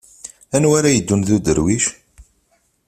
D anwa ara yeddun d uderwic?